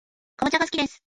かぼちゃがすきです